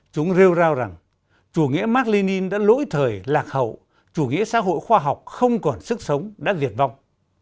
chúng rêu rao rằng chủ nghĩa mạc li nin đã lỗi thời lạc hậu chủ nghĩa xã hội khoa học không còn sức sống đã diệt vong